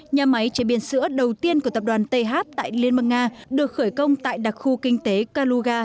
nhà máy chế biến sữa đầu tiên của tập đoàn th tại liên bang nga được khởi công tại đặc khu kinh tế kaluga